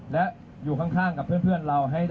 และอยู่ข้างกับเพื่อนเรา